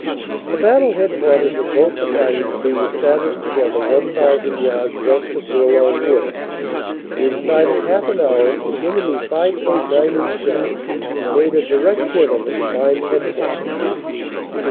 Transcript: the battle headquarters of both battalions being established together 1,000 yards west of Bourlon Wood. In side of half an hour an enemy 5.9 inch shell made a direct hit on the combined headquarters, Lt.